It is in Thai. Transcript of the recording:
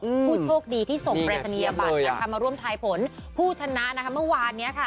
ผู้โชคดีที่ส่งปรายศนียบัตรนะคะมาร่วมทายผลผู้ชนะนะคะเมื่อวานเนี้ยค่ะ